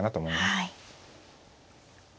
はい。